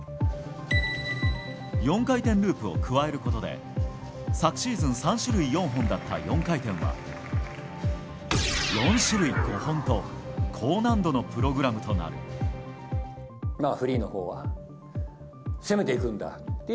４回転ループを加えることで昨シーズン３種類４本だった４回転は、４種類５本と高難度のプログラムとなった。